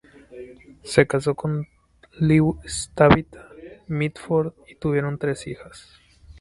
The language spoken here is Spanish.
Se casó con Lewis Tabitha Mitford, y tuvieron tres hijas.